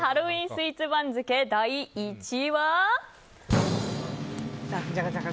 スイーツ番付第１位は。